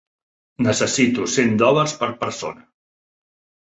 Necessito cent dòlars per persona.